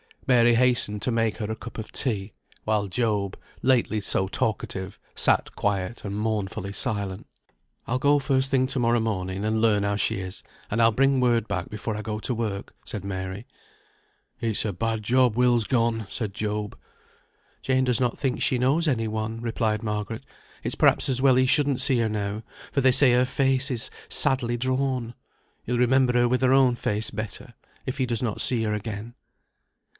Mary hastened to make her a cup of tea; while Job, lately so talkative, sat quiet and mournfully silent. "I'll go first thing to morrow morning, and learn how she is; and I'll bring word back before I go to work," said Mary. "It's a bad job Will's gone," said Job. "Jane does not think she knows any one," replied Margaret. "It's perhaps as well he shouldn't see her now, for they say her face is sadly drawn. He'll remember her with her own face better, if he does not see her again."